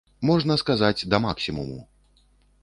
Можна сказаць, да максімуму.